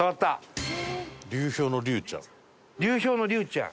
流氷の流ちゃん。